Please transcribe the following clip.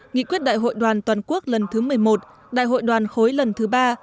nghị quyết đại hội đoàn toàn quốc lần thứ một mươi một đại hội đoàn khối lần thứ ba